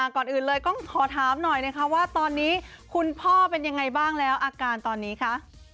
ก่อนอื่นเลยต้องขอถามหน่อยนะคะว่าตอนนี้คุณพ่อเป็นยังไงบ้างแล้วอาการตอนนี้คะ